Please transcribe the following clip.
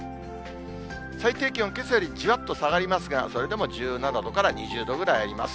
最低気温、けさよりじわっと下がりますが、それでも１７度から２０度ぐらいあります。